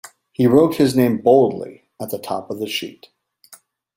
He wrote his name boldly at the top of the sheet.